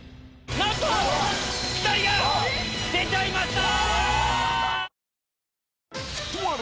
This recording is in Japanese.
なんと‼ピタリが‼出ちゃいました‼